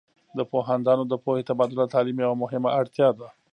د پوهاندانو د پوهې تبادله د تعلیم یوه مهمه اړتیا ده.